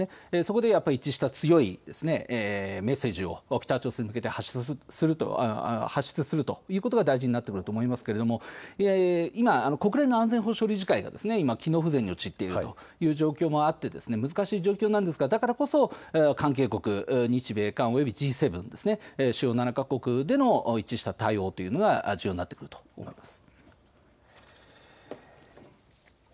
そこで一致した強いメッセージを北朝鮮に向けて発出するということが大事になってくると思いますが今、国連の安全保障理事会、機能不全に陥っているという状況もあって難しい状況なんですがだからこそ関係国、日米韓およびＧ７・主要７か国での一致した対応というのが重要になってくると思います。